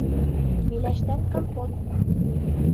Миләштән компот